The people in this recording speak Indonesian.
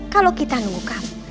kalau kita nunggu kamu